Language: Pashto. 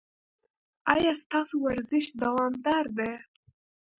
ایا ستاسو ورزش دوامدار دی؟